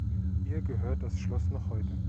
Ihr gehört das Schloss noch heute.